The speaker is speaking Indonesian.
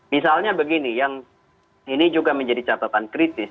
misalnya begini yang ini juga menjadi catatan kritis